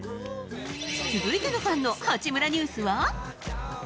続いてのファンの八村ニュースは。